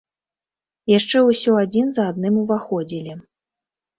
Яшчэ ўсё адзін за адным уваходзілі.